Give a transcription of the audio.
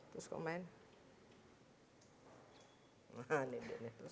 terus kok main